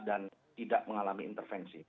dan tidak mengalami intervensi